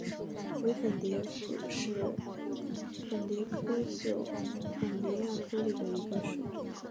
伪粉蝶属是粉蝶科袖粉蝶亚科里的一个属。